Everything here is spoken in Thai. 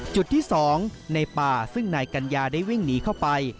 จุดที่๒ในป่าซึ่งนายกัญญาได้วิ่งหนีเข้าไป